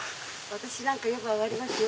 私なんかよく上がりますよ。